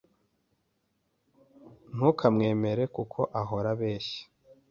Ntukamwemere kuko ahora abeshya.